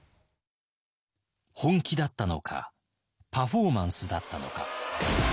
本気だったのかパフォーマンスだったのか。